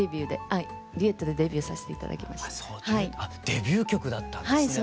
デビュー曲だったんですね？